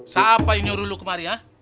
siapa yang nyuruh lu kemari ha